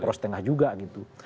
poros tengah juga gitu